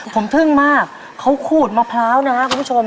ผมทึ่งมากเขาขูดมะพร้าวนะครับคุณผู้ชม